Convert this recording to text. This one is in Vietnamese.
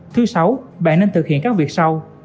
thứ sáu bạn nên thực hiện các việc sau